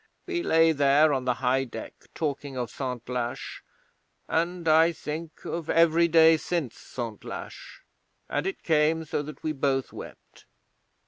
We lay there on the high deck talking of Santlache, and, I think, of every day since Santlache, and it came so that we both wept.